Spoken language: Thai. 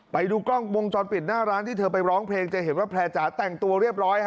ไปดูกล้องวงจรปิดหน้าร้านที่เธอไปร้องเพลงจะเห็นว่าแพร่จ๋าแต่งตัวเรียบร้อย